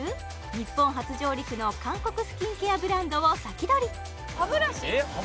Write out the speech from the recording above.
日本初上陸の韓国スキンケアブランドを先取りえっ歯